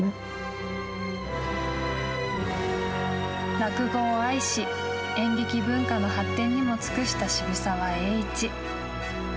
落語を愛し、演劇文化の発展にも尽くした渋沢栄一。